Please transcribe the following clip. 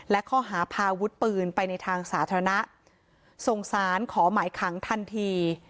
และข้อหาพาวุฒิปืนไปในทางสาธารณะส่งสารขอหมายขังทันที